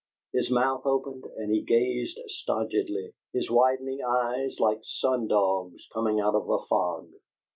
His mouth opened and he gazed stodgily, his widening eyes like sun dogs coming out of a fog.